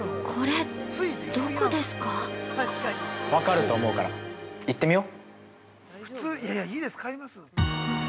分かると思うから行ってみよ。